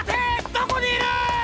どこにいる！？